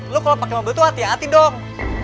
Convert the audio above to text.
lo kalau pake mobil tuh hati hati dong